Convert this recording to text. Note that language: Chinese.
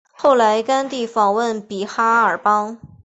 后来甘地访问比哈尔邦。